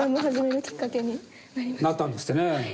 なったんですってね。